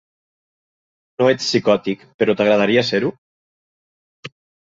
No ets psicòtic, però t'agradaria ser-ho?